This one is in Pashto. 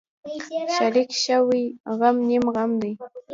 شریک شوی غم نیم غم دی.